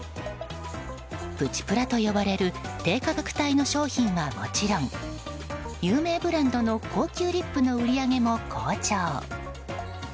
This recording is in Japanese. プチプラと呼ばれる低価格帯の商品はもちろん有名ブランドの高級リップの売り上げも好調。